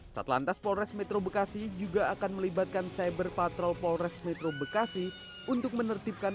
satlantas polres metro bekasi juga akan melibatkan cyber patrol polres metro bekasi untuk menertibkan